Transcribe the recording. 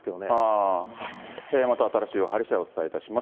また新しい情報が入りしだい、お伝えいたします。